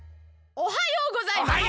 おはようございます。